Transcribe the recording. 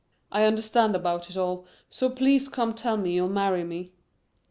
"I understand about it all, so please come tell me you'll marry me."